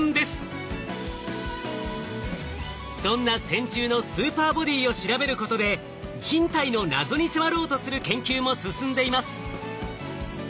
そんな線虫のスーパーボディーを調べることで人体の謎に迫ろうとする研究も進んでいます。